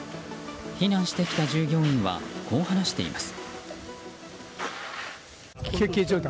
避難してきた従業員はこう話しています。